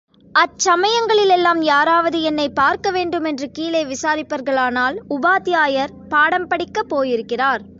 அச் சமயங்களிலெல்லாம், யாராவது என்னைப் பார்க்கவேண்டுமென்று கீழே விசாரிப்பார் களானால், உபாத்தியாயர் பாடம் படிக்கப் போயிருக்கிறார்!